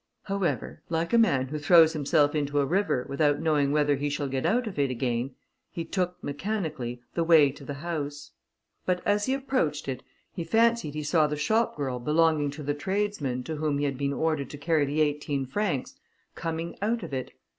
However, like a man who throws himself into a river without knowing whether he shall get out of it again, he took, mechanically, the way to the house; but as he approached it, he fancied he saw the shop girl belonging to the tradesman, to whom he had been ordered to carry the eighteen francs, coming out of it.